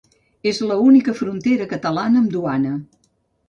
És l'única frontera catalana amb duana.